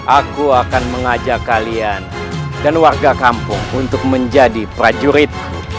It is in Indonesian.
aku akan mengajak kalian dan warga kampung untuk menjadi prajurit